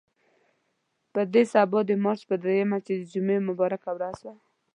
په دې سبا د مارچ په درېیمه چې د جمعې مبارکه ورځ وه.